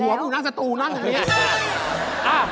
เหล่าน่าจะตูนั่นจังงี้